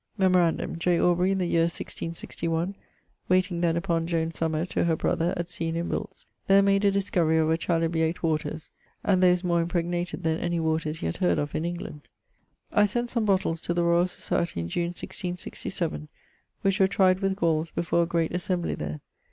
Memorandum. J. Aubrey in the yeare 1666, wayting then upon Joane Sumner to her brother at Seen in Wilts, there made a discovery of a chalybiate waters and those more impregnated than any waters yet heard of in England. I sent some bottles to the Royal Society in June 1667, which were tryed with galles before a great assembly there.